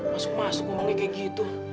masuk masuk ngomongnya kayak gitu